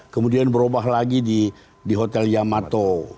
kemudian berubah lagi di hotel yamato